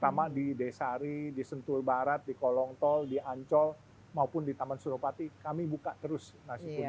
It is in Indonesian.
tapi kami yang di masjid masjid saya terutama di desari di sentul barat di kolongtol di ancol maupun di taman suropati kami buka terus nasi kuning